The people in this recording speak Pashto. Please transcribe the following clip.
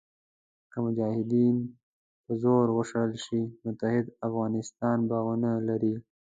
که مجاهدین په زور وشړل شي متحد افغانستان به ونه لرئ.